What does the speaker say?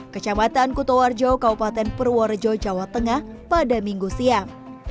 kecamatan kutowarjo kabupaten purworejo jawa tengah pada minggu siang